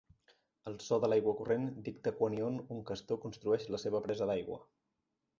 El so de l'aigua corrent dicta quan i on un castor construeix la seva presa d'aigua.